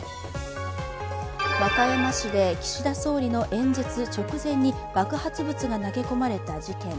和歌山市で岸田総理の演説直前に爆発物が投げ込まれた事件。